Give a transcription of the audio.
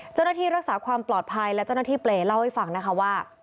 เจ้าหน้าที่รักษาความปลอดภัยและเจ้าหน้าที่เปรย์เล่าให้ฟังนะคะว่า